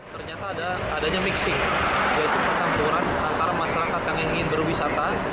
ternyata adanya mixing yaitu percampuran antara masyarakat yang ingin berwisata